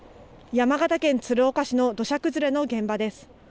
山形県鶴岡市の土砂崩れの現場です。